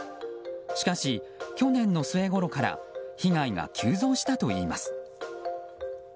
しかし、去年の末ごろから被害が急増したといいます。